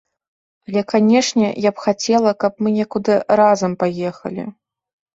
Але, канешне, я б хацела, каб мы некуды разам паехалі.